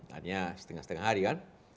hanya setengah setengah hari kan